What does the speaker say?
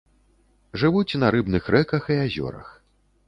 Жывуць на рыбных рэках і азёрах.